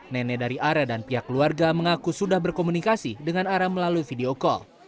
nenek dari are dan pihak keluarga mengaku sudah berkomunikasi dengan ara melalui video call